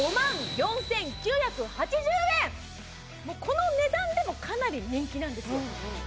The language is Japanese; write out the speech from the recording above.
この値段でもかなり人気なんですよ